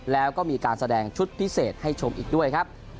แล้วก็มีการแสดงชุดพิเศษให้ชมอีกด้วยครับ